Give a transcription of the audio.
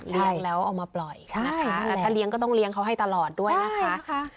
ใช่แล้วเอามาปล่อยใช่แล้วถ้าเลี้ยงก็ต้องเลี้ยงเขาให้ตลอดด้วยนะคะใช่นะคะ